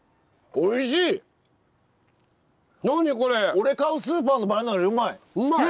俺買うスーパーのバナナよりうまい！